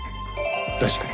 確かに。